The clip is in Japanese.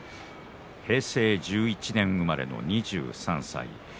平成１１年生まれの２３歳。